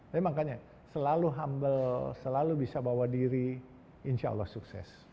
tapi makanya selalu humble selalu bisa bawa diri insya allah sukses